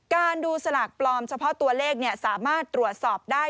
ดูสลากปลอมเฉพาะตัวเลขสามารถตรวจสอบได้